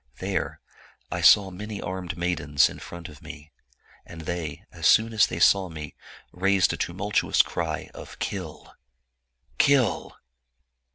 There I saw many armed maidens in front of me, and they, as soon as they saw me, raised a tumultu ous cry of ' Kill, kill.'